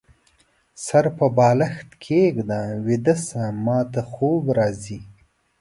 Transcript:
سر په بالښت کيږده ، ويده شه ، ماته خوب راځي